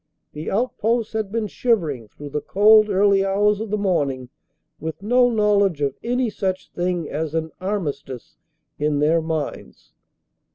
The outposts had been shivering through the cold early hours of the morn ing with no knowledge of any such thing as an armistice in their minds.